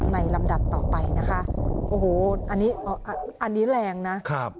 ในลำดับต่อไปนะคะโอ้โหอันนี้แรงนะ